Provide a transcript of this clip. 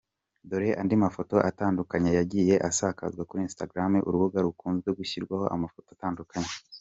Dore andi mafoto atandukanye yagiye asakazwa kuri instagram urubuga rukunzwe gushyirwaho amafoto atandukanye .